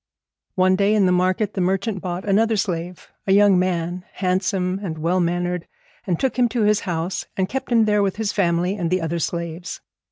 One day in the market the merchant bought another slave, a young man, handsome and well mannered, and took him to his house, and kept him there with his family and the other slaves.